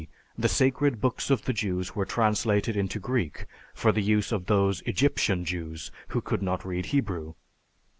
the sacred books of the Jews were translated into Greek for the use of those Egyptian Jews who could not read Hebrew.